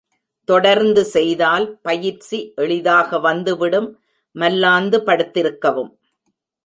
தொடர்ந்து செய்தால், பயிற்சி எளிதாக வந்து விடும் மல்லாந்து படுத்திருக்கவும்.